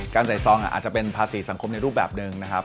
ใส่ซองอาจจะเป็นภาษีสังคมในรูปแบบหนึ่งนะครับ